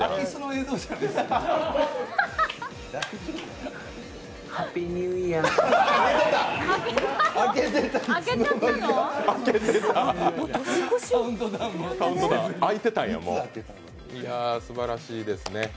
すばらしいですね。